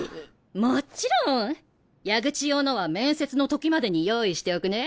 もちろん！矢口用のは面接のときまでに用意しておくね。